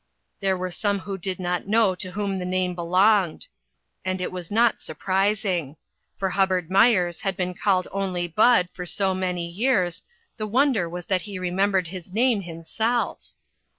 There were some who did not know to whom the name belonged ; and it was not surprising, for Hubbard Myers had been called only Bud for so many years, the wonder was that he remembered his name himself.